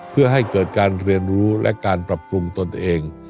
เพื่อให้เกิดการเรียนรู้และการปรับปรุงตนเอง